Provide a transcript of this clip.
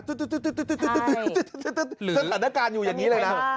ตรการอยู่อย่างนี้เลยนะ